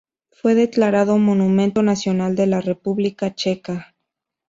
Fue declarado monumento nacional de la República Checa.